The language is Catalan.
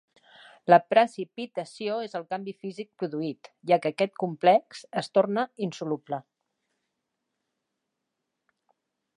La precipitació és el canvi físic produït, ja que aquest complex es torna insoluble.